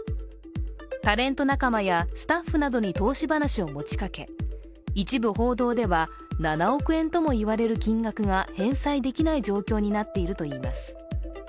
タレント仲間やスタッフなどに投資話を持ちかけ一部報道では７億円ともいわれる金額が返済できない状況になっているといいます。